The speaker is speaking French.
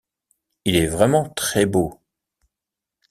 Il est vraiment très beau!...